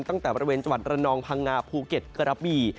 ตั้งแต่บริเวณจังหวัดระนองพังงาภูเก็ตกระบี่